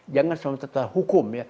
jangan sama hukum